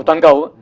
của toàn cầu